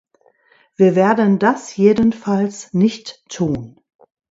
Wir werden das jedenfalls nicht tun!